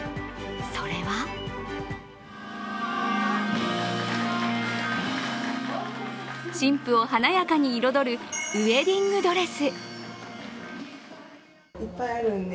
それは新婦を華やかに彩るウエディングドレス。